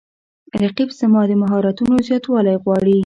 رقیب زما د مهارتونو زیاتوالی غواړي